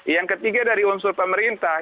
yang ketiga dari unsur pemerintah